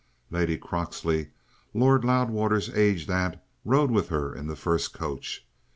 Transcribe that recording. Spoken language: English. Lady Croxley, Lord Loudwater's aged aunt, rode with her in the first coach.